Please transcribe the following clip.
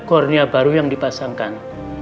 kornea baru yang dipasangkan